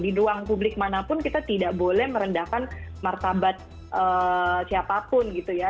di ruang publik manapun kita tidak boleh merendahkan martabat siapapun gitu ya